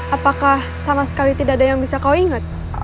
apakah sama sekali tidak ada yang bisa kau ingat